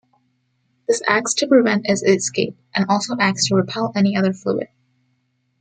This acts to prevent its escape, and also acts to repel any other fluid.